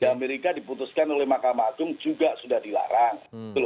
amerika diputuskan oleh makam agung juga sudah dilarang